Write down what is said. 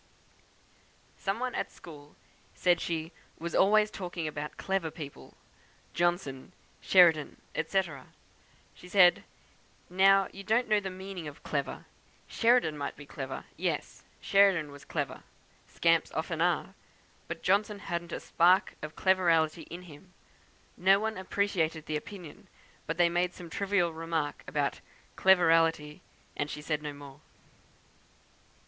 "Some one at school said she 'was always talking about clever people; Johnson, Sheridan, &c.' She said, 'Now you don't know the meaning of clever, Sheridan might be clever; yes, Sheridan was clever, scamps often are; but Johnson hadn't a spark of cleverality in him.' No one appreciated the opinion; they made some trivial remark about 'cleverality,' and she said no more.